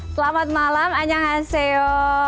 selamat malam anjang haseo